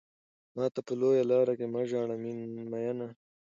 ماته په لويه لار کې مه ژاړه ميننه